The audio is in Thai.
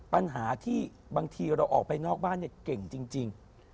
ปัญหาที่บางทีเราออกไปนอกบ้านเนี่ยเก่งจริง